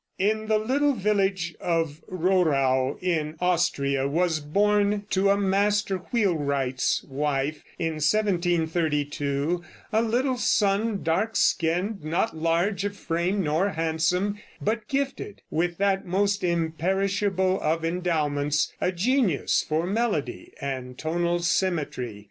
In the little village of Rohrau, in Austria, was born to a master wheelwright's wife, in 1732, a little son, dark skinned, not large of frame, nor handsome, but gifted with that most imperishable of endowments, a genius for melody and tonal symmetry.